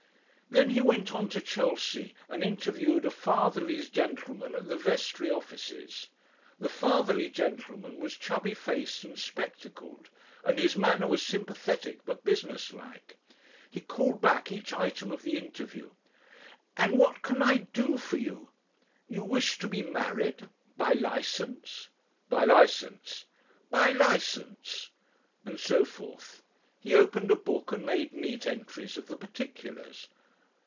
Then he went on to Chelsea and interviewed a fatherly gentleman at the Vestry offices. The fatherly gentleman was chubby faced and spectacled, and his manner was sympathetic but business like. He "called back" each item of the interview, "And what can I do for you? You wish to be married! By licence?" "By licence." "By licence!" And so forth. He opened a book and made neat entries of the particulars.